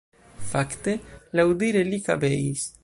Fakte, laŭdire, li kabeis.